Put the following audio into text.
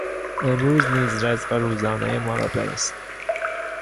امروز نیز رزق روزانهی ما را برسان